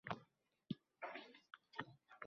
Bola intizomli, gapga kiradigan, tirishqoq.